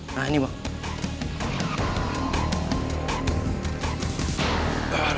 nah ini bang